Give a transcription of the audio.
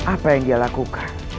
apa yang dia lakukan